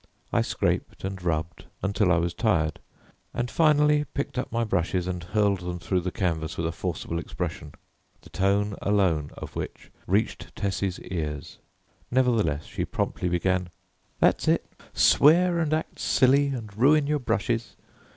I scraped and rubbed until I was tired, and finally picked up my brushes and hurled them through the canvas with a forcible expression, the tone alone of which reached Tessie's ears. Nevertheless she promptly began: "That's it! Swear and act silly and ruin your brushes!